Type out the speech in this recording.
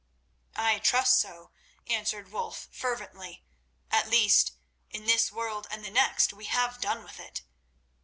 "I trust so," answered Wulf fervently. "At least, in this world and the next we have done with it."